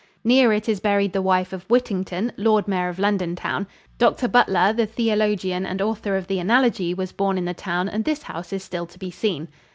Near it is buried the wife of Whittington, "Lord Mayor of Londontown." Dr. Butler, the theologian and author of "The Analogy," was born in the town and this house is still to be seen.